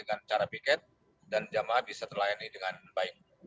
dengan cara piket dan jamaah bisa terlayani dengan baik